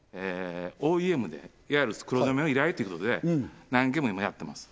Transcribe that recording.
ＯＥＭでいわゆる黒染めの依頼ということで何件も今やってます